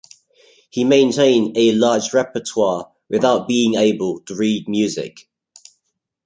He maintained a large repertoire without being able to read music.